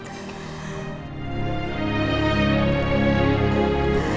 kamu juga harus kuat